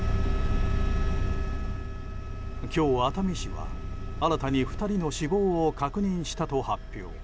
今日、熱海市は新たに２人の死亡を確認したと発表。